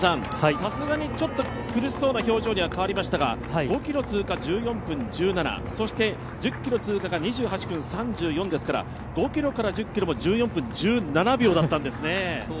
さすがにちょっと苦しそうな表情には変わりましたが５ｋｍ通過１４分１７、そして１０ｋｍ通過、２８分３４秒ですから５ｋｍから１０ｋｍも１４分１７秒だったんですね。